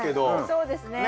そうですね。